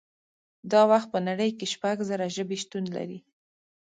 دا وخت په نړۍ کې شپږ زره ژبې شتون لري